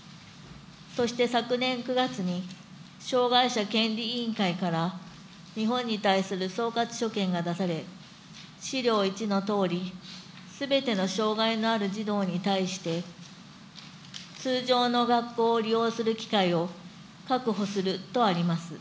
そして昨年９月に、障害者権利委員会から日本に対する総括所見が出され、資料１のとおり、すべての障害のある児童に対して通常の学校を利用する機会を確保するとあります。